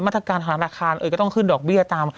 มาตรการทางราคาเอ่ยก็ต้องขึ้นดอกเบี้ยตาม